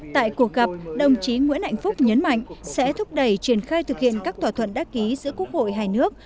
tại cuộc gặp đồng chí nguyễn hạnh phúc nhấn mạnh sẽ thúc đẩy triển khai thực hiện các thỏa thuận đắc ký giữa quốc hội hai nước